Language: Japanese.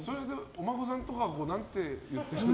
お孫さんとかは何て言ってるんですか？